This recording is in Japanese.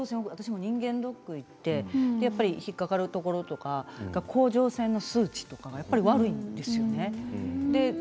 私も人間ドックに行って引っ掛かるところとか甲状腺の数値とかやっぱり悪いですよね。